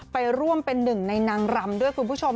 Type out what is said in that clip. ไปร่วมเป็นหนึ่งในนางรำด้วยคุณผู้ชม